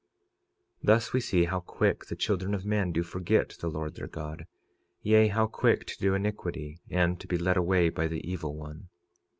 46:8 Thus we see how quick the children of men do forget the Lord their God, yea, how quick to do iniquity, and to be led away by the evil one.